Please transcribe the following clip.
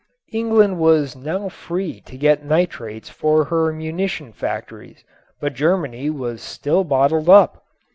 England was now free to get nitrates for her munition factories, but Germany was still bottled up.